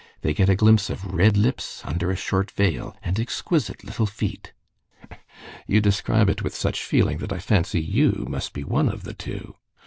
They get a glimpse of red lips under a short veil, and exquisite little feet." "You describe it with such feeling that I fancy you must be one of the two."